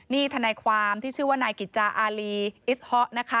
นี่ทนายความที่ชื่อว่านายกิจจาอารีอิสฮอตนะคะ